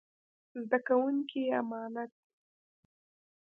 زده کوونکي يې امانت دي.